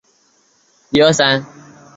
昂尚站暂无城市公共交通服务。